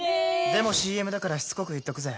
でもＣＭだからしつこく言っとくぜ！